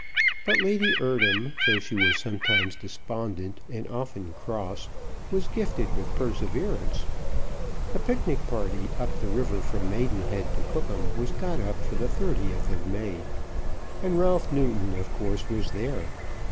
But Lady Eardham, though she was sometimes despondent and often cross, was gifted with perseverance. A picnic party up the river from Maidenhead to Cookham was got up for the 30th of May, and Ralph Newton of course was there.